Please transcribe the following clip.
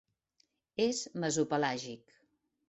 És mesopelàgic.